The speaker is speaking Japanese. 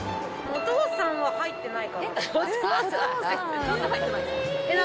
お父さんは入ってないかな。